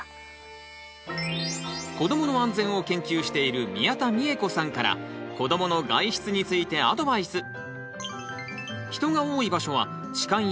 子どもの安全を研究している宮田美恵子さんから子どもの外出についてアドバイス。